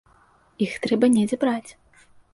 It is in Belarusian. Іх трэба недзе браць.